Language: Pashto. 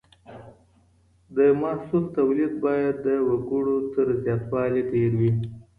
د محصول توليد بايد د وګړو تر زياتوالي ډېر وي.